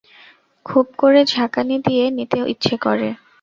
খুব করে ঝাঁকানি দিয়ে নিতে ইচ্ছে করে!